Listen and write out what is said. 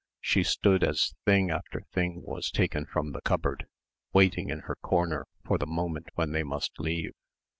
She stood as thing after thing was taken from the cupboard, waiting in her corner for the moment when they must leave.